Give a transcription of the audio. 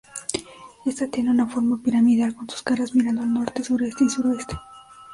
Esta tiene una forma piramidal, con sus caras mirando al norte, sureste y suroeste.